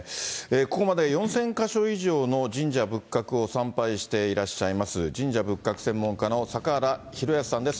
ここまで４０００か所以上の神社仏閣を参拝していらっしゃいます神社仏閣専門家の坂原弘康さんです。